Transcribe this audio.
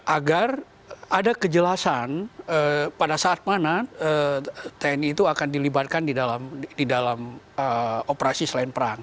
agar ada kejelasan pada saat mana tni itu akan dilibatkan di dalam operasi selain perang